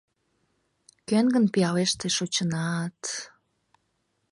Кӧн гын пиалеш тый шочына-ат...»